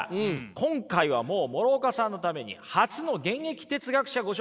今回はもう諸岡さんのために初の現役哲学者ご紹介します。